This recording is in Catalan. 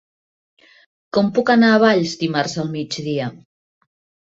Com puc anar a Valls dimarts al migdia?